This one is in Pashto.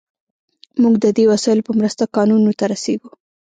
موږ د دې وسایلو په مرسته کانونو ته رسیږو.